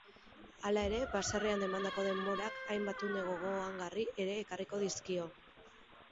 Hala ere, baserrian emandako denborak hainbat une gogoangarri ere ekarriko dizkio.